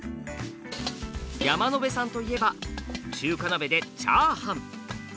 山野辺さんといえば中華鍋でチャーハン。